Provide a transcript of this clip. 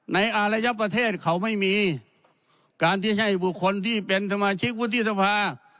อารยประเทศเขาไม่มีการที่ให้บุคคลที่เป็นสมาชิกวุฒิสภา